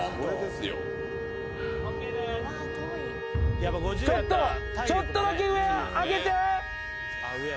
ちょっとちょっとだけ上上げて。